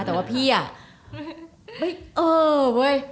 แต่ว่าพี่อ่ะเว้ย